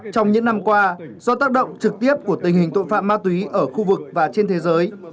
trong những năm qua do tác động trực tiếp của tình hình tội phạm ma túy ở khu vực và trên thế giới